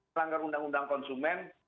melanggar undang undang konsumen